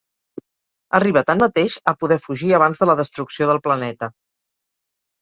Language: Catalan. Arriba tanmateix a poder fugir abans de la destrucció del planeta.